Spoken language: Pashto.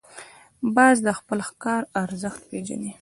باز د خپل ښکار ارزښت پېژني